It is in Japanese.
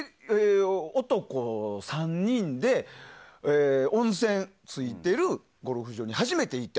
男３人で温泉がついているゴルフ場に初めて行った。